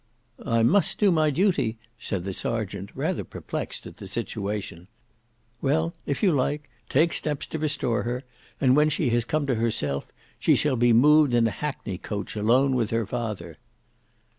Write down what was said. "I must do my duty," said the serjeant rather perplexed at the situation. "Well, if you like, take steps to restore her, and when she has come to herself, she shall be moved in a hackney coach alone with her father."